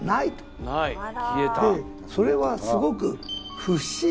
それはすごく。